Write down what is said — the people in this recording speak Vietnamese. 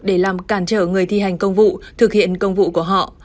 để làm cản trở người thi hành công vụ thực hiện công vụ của họ